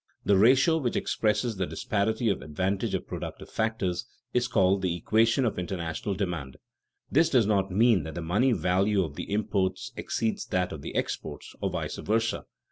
The ratio which expresses the disparity of advantage of productive factors is called "the equation of international demand." This does not mean that the money value of the imports exceeds that of the exports, or vice versa.